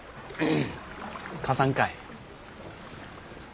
貸さんかい。